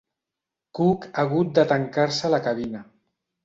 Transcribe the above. Cook ha hagut de tancar-se a la cabina.